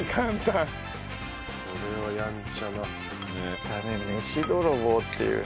またね「メシ泥棒」っていう。